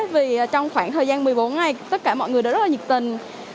vì trong khoảng thời gian một mươi bốn ngày tất cả mọi người đều rất là nhiệt tình